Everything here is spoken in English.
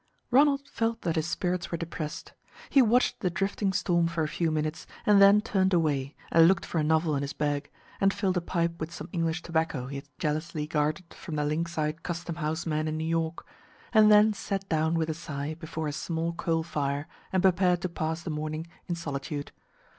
Ronald felt that his spirits were depressed. He watched the drifting storm for a few minutes, and then turned away and looked for a novel in his bag, and filled a pipe with some English tobacco he had jealously guarded from the lynx eyed custom house men in New York, and then sat down with a sigh before his small coal fire, and prepared to pass the morning, in solitude.